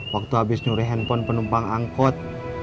waktu habis nyuri handphone penumpang angkot